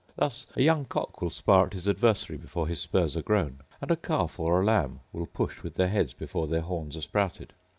Thus a young cock will spar at his adversary before his spurs are grown; and a calf or a lamb will push with their heads before their horns are sprouted.